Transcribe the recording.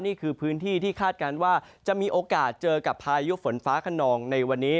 นี่คือพื้นที่ที่คาดการณ์ว่าจะมีโอกาสเจอกับพายุฝนฟ้าขนองในวันนี้